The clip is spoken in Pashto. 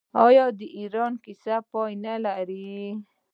آیا د ایران کیسه پای نلري؟